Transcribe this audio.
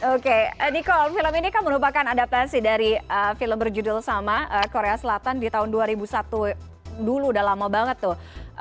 oke nicole film ini kan merupakan adaptasi dari film berjudul sama korea selatan di tahun dua ribu satu dulu udah lama banget tuh